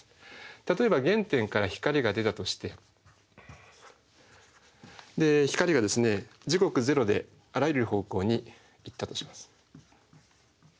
例えば原点から光が出たとしてで光が時刻０であらゆる方向に行ったとします。